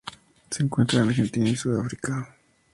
Se encuentra en Argentina y Sudáfrica.